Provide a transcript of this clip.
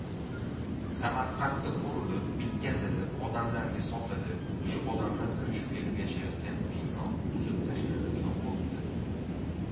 Samarqanda qurilib, bitkazillib, odamlarga sotilib, uje odamlar koʻchib kelib yashayotgan bino buzib tashlanadigan boʻpti.